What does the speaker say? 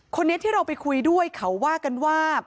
คนนี้ที่เราไปคุยด้วยเขาว่ากันว่า